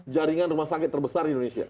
jaringan rumah sakit terbesar di indonesia